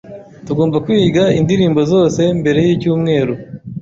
Tugomba kwiga indirimbo zose mbere yicyumweru.